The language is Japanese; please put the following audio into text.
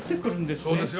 そうですよ。